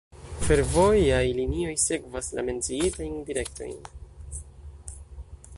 Fervojaj linioj sekvas la menciitajn direktojn.